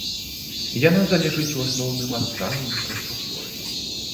Яна залежыць у асноўным ад стану інфраструктуры.